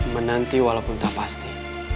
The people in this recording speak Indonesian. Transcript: menanti walaupun tak pasti